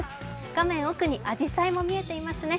画面奥にあじさいも見えていますね。